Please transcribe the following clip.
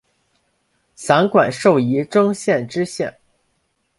散馆授仪征县知县。